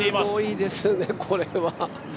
すごいですね、これは。